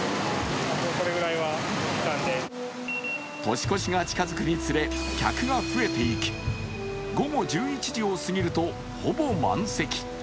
年越しが近づくにつれ、客が増えていき、午後１１時を過ぎると、ほぼ満席。